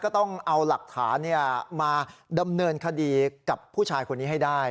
ต้องเอาหลักฐานมาดำเนินคดีกับผู้ชายคนนี้ให้ได้